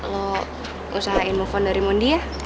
lo usahain move on dari mondi ya